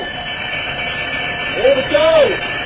โอ้พระเจ้า